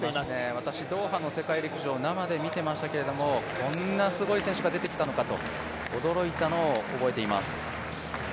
私、ドーハの世界陸上生で見てましたけどこんな、すごい選手が出てきたのかと驚いたのを覚えています。